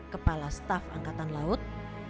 kepala staf angkatan laut